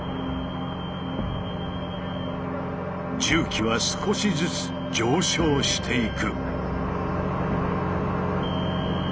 重機は少しずつ上昇していく。